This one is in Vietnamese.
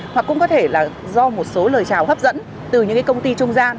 hoặc cũng có thể là do một số lời chào hấp dẫn từ những cái công ty trung gian